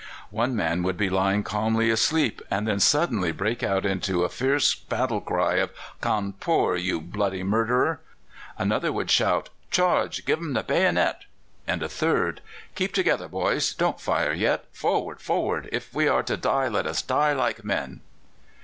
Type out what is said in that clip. "One man would be lying calmly asleep and then suddenly break out into a fierce battle cry of 'Cawnpore! you bloody murderer!' Another would shout, 'Charge! give them the bayonet!' and a third, 'Keep together, boys; don't fire yet. Forward! forward! If we are to die, let us die like men!